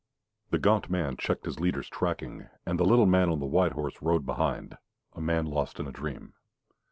The gaunt man checked his leader's tracking, and the little man on the white horse rode behind, a man lost in a dream.